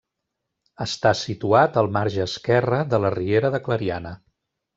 Està situat al marge esquerre de la Riera de Clariana.